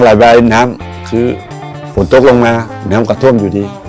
ระบายน้ำคือฝนตกลงมาน้ำก็ท่วมอยู่ดี